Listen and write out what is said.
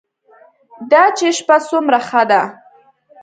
دا چې شپه څومره ښه ده.